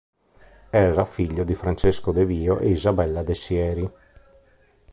Era il figlio di Francesco De Vio e Isabella de Sieri.